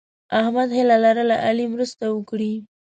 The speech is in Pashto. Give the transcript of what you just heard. احمد هیله لرله علي مرسته وکړي.